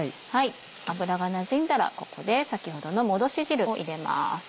脂がなじんだらここで先ほどのもどし汁を入れます。